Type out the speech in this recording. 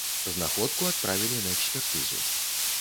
Знаходку адправілі на экспертызу.